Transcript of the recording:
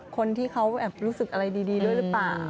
คนที่เขารู้สึกอะไรดีด้วยหรือเปล่า